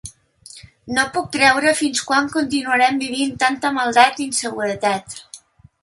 No puc creure fins quan continuarem vivint tanta maldat i inseguretat.